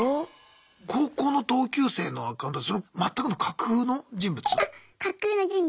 高校の同級生のアカウントそれまったくの架空の人物？